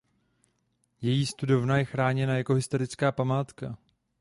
Její studovna je chráněná jako historická památka.